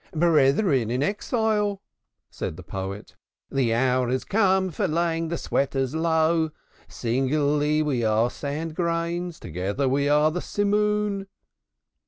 "Brethren in exile," said the poet. "The hour has come for laying the sweaters low. Singly we are sand grains, together we are the simoom.